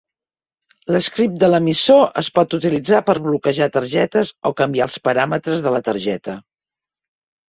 L'script de l'emissor es pot utilitzar per bloquejar targetes o canviar els paràmetres de la targeta.